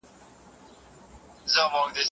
ماشوم د انا په غوسه کې هم مینه لیدله.